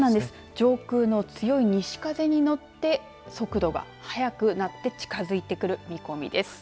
上空の強い西風に乗って速度が速くなって近づいてくる見込みです。